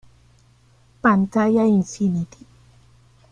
Pantalla Infinity.